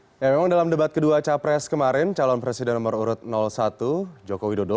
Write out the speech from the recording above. ya memang dalam debat kedua capres kemarin calon presiden nomor urut satu joko widodo